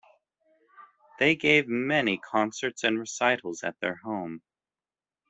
They gave many concerts and recitals at their home.